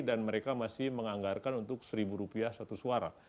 dan mereka masih menganggarkan untuk rp satu satu suara